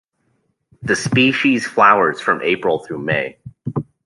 The species flowers from April through May.